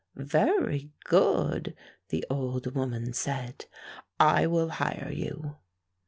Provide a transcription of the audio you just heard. "Very good," the old woman said. "I will hire you."